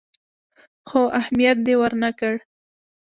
خو اهميت دې ورنه کړ.